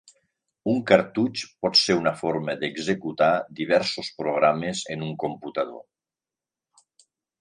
Un cartutx pot ser una forma d'executar diversos programes en un computador.